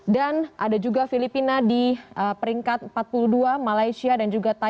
dan ada juga filipina di peringkat empat puluh dua malaysia dan juga tenggara